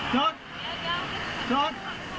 จุดจุด